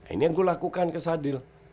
ini yang gue lakukan ke sadil